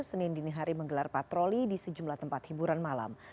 senin dini hari menggelar patroli di sejumlah tempat hiburan malam